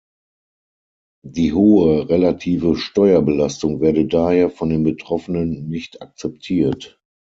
Die hohe relative Steuerbelastung werde daher von den Betroffenen nicht akzeptiert.